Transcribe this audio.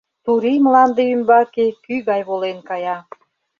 Турий мланде ӱмбаке кӱ гай волен кая.